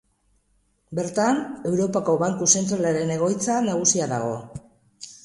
Bertan, Europako Banku Zentralaren egoitza nagusia dago.